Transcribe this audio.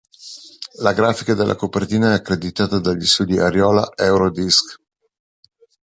La grafica della copertina è accreditata agli studi Ariola-Eurodisc.